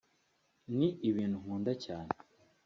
ni ibintu nkunda cyane